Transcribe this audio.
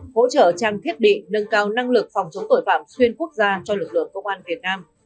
hỗ trợ trang thiết bị nâng cao năng lực phòng chống tội phạm xuyên quốc gia cho lực lượng công an việt nam